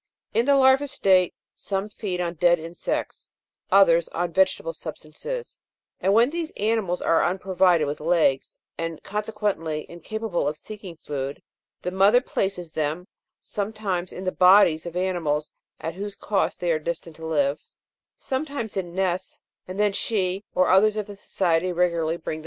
In the larva state, some feed on dead insects, others on vegetable substances, and when these animals are unprovided with legs, and consequently in capable of seeking food, the mother places them, sometimes in the bodies of animals at whose cost they are destined to live, sometimes in nests, and then she or others of the society regularly bring them food.